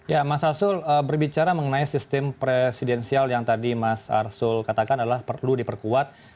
ya mas arsul berbicara mengenai sistem presidensial yang tadi mas arsul katakan adalah perlu diperkuat